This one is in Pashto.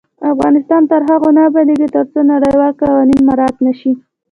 افغانستان تر هغو نه ابادیږي، ترڅو نړیوال قوانین مراعت نشي.